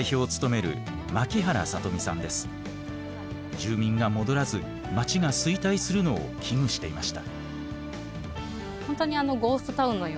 住民が戻らず町が衰退するのを危惧していました。